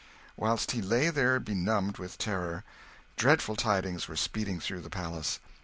Whilst he lay there benumbed with terror, dreadful tidings were speeding through the palace.